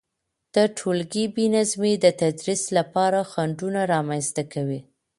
د تولګي بي نظمي د تدريس لپاره خنډونه رامنځته کوي،